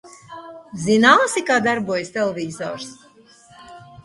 Zināsi, kā darbojas televizors?